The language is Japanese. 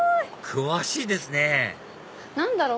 詳しいですね何だろう？